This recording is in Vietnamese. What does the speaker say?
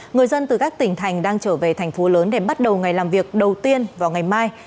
người dân từ các tỉnh thành đang trở về thành phố lớn để bắt đầu ngày làm việc đầu tiên vào ngày mai